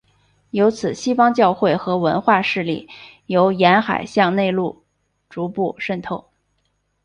由此西方教会和文化势力由沿海向内陆逐步渗透。